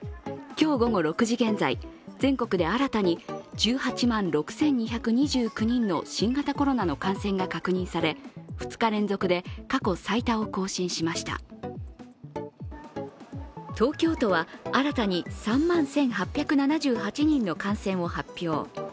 今日午後６時現在、全国で新たに１８万６２２９人の新型コロナの感染が確認され２日連続で過去最多を更新しました東京都は、新たに３万１８７８人の感染を発表。